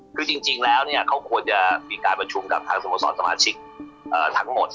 คือจริงแล้วเนี่ยเขาควรจะมีการประชุมกับทางสโมสรสมาชิกทั้งหมด